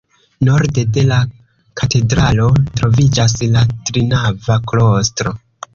Norde de la katedralo troviĝas la trinava klostro.